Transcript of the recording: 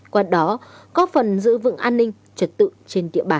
qua đó có phần giữ vững an ninh trật tự trên địa bàn